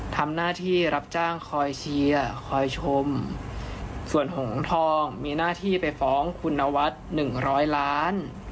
ทำหน้าที่รับจ้างคอยเชียร์คอยชมส่วนหงทองมีหน้าที่ไปฟ้องคุณนวัฒน์๑๐๐ล้าน